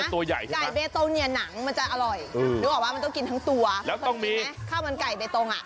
ไก่เบตตงเนี่ยหนังมันจะอร่อยอืมหรือว่าว่ามันต้องกินทั้งตัวแล้วต้องมีข้าวมันไก่เบตตงอ่ะ